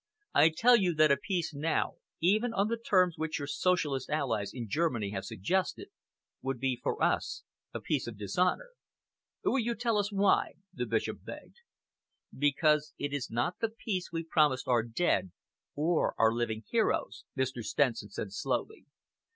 I tell you that a peace now, even on the terms which your Socialist allies in Germany have suggested, would be for us a peace of dishonour." "Will you tell us why?" the Bishop begged. "Because it is not the peace we promised our dead or our living heroes," Mr. Stenson said slowly.